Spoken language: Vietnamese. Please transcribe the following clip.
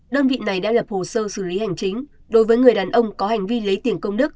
đơn vị này đã lập hồ sơ xử lý hành chính đối với người đàn ông có hành vi lấy tiền công đức